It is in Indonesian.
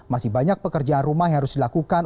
masih banyak pekerjaan rumah yang harus dilakukan